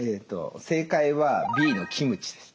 正解はＢのキムチです。